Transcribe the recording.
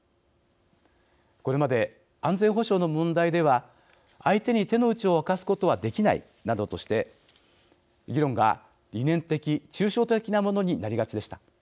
これまで安全保障の問題では相手に手の内を明かすことはできないなどとして、議論が理念的、抽象的なものになりがちでした。